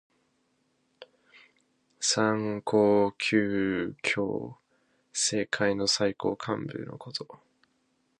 三公九卿。政界の最高幹部のこと。